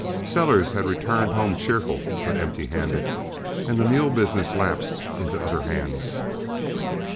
Sellers had returned home cheerful but empty handed, and the mule business lapsed into other hands.